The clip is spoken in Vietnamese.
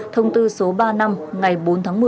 thông tư số ba năm ngày bốn tháng một mươi